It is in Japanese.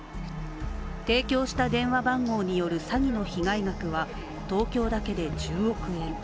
提供した電話番号による詐欺の被害額は東京だけで１０億円。